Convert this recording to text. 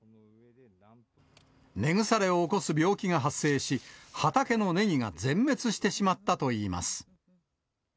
根腐れを起こす病気が発生し、畑のねぎが全滅してしまったといいます。